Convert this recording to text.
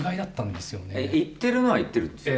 行っているのは行っているんですよ。